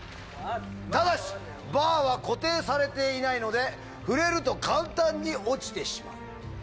ただし、バーは固定されていないので、触れると簡単に落ちてしまう。